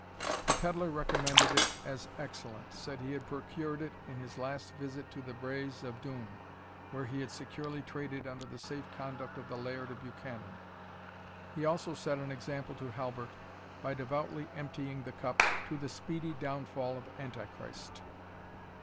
The pedlar recommended it as excellent, said he had procured it in his last visit to the braes of Doune, where he had securely traded under the safe conduct of the Laird of Buchanan. He also set an example to Halbert, by devoutly emptying the cup "to the speedy downfall of Anti Christ."